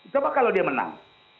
coba kalau dia menang